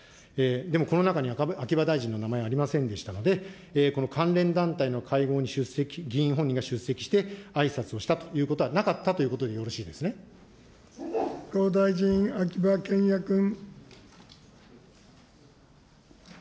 でもこの中には秋葉大臣の名前はありませんでしたので、この関連団体の会合に出席、議員本人が出席してあいさつをしたということはなかったというこ復興大臣、秋葉賢也君。